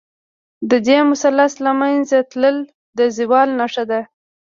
د دې مثلث له منځه تلل، د زوال نښه ده.